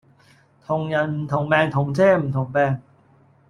同人唔同命同遮唔同柄